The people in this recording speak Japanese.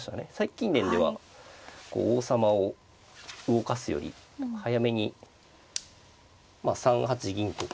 近年では王様を動かすより早めに３八銀とか。